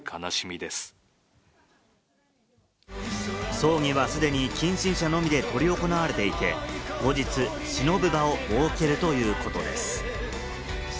葬儀は既に近親者のみで執り行われていて、後日、しのぶ場を設けるということです。